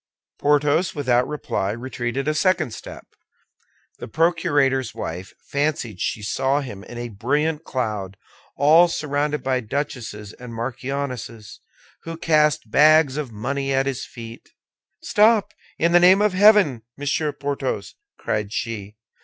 Porthos, without reply, retreated a second step. The procurator's wife fancied she saw him in a brilliant cloud, all surrounded by duchesses and marchionesses, who cast bags of money at his feet. "Stop, in the name of heaven, Monsieur Porthos!" cried she.